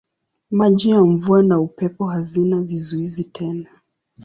Maji ya mvua na upepo hazina vizuizi tena.